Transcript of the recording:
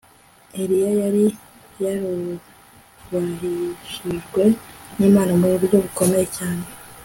Eliya yari yarubahishijwe nImana mu buryo bukomeye cyane